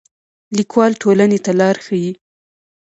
لیکوال ټولنې ته لار ښيي